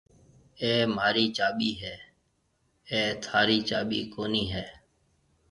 اَي مهاري چاٻِي هيَ، اَي ٿاري چاٻِي ڪونَي هيَ۔